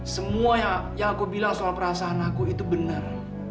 semua yang aku bilang soal perasaan aku itu benar